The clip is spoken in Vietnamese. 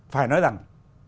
phải nói rằng